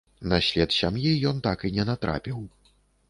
На след сям'і ён так і не натрапіў.